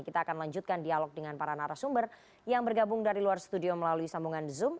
kita akan lanjutkan dialog dengan para narasumber yang bergabung dari luar studio melalui sambungan zoom